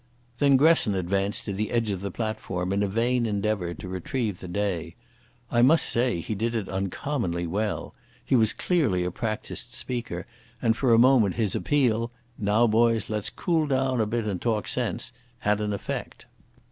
Then Gresson advanced to the edge of the platform in a vain endeavour to retrieve the day. I must say he did it uncommonly well. He was clearly a practised speaker, and for a moment his appeal "Now, boys, let's cool down a bit and talk sense," had an effect.